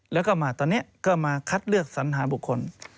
แล้วก็มาตอนนี้ก็มาคัดเลือกสัญหาบุคคล